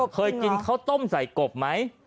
เคยกินข้าวต้มใส่กบไหม